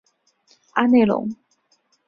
阿内龙。